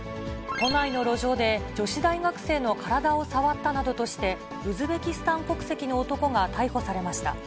都内の路上で、女子大学生の体を触ったなどとして、ウズベキスタン国籍の男が逮捕されました。